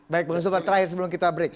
baik bang zufar terakhir sebelum kita break